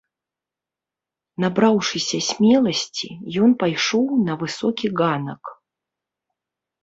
Набраўшыся смеласці, ён пайшоў на высокі ганак.